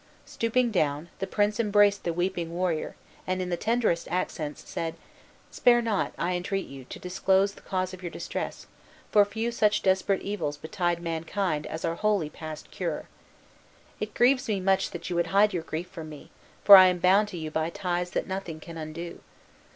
Stooping down, the prince embraced the weeping warrior, and, in the tenderest accents, said: "Spare not, I entreat you, to disclose the cause of your distress, for few such desperate evils betide mankind as are wholly past cure. It grieves me much that you would hide your grief from me, for I am bound to you by ties that nothing can undo.